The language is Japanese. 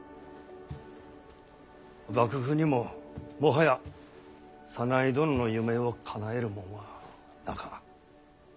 幕府にももはや左内殿の夢をかなえるもんはなか。